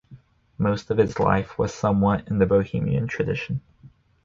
Most of his life was somewhat in the Bohemian tradition.